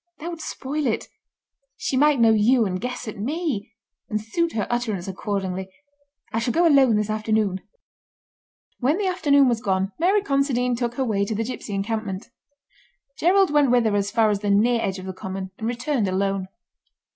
That would spoil it. She might know you and guess at me, and suit her utterance accordingly. I shall go alone this afternoon." When the afternoon was gone Mary Considine took her way to the gipsy encampment. Gerald went with her as far as the near edge of the common, and returned alone.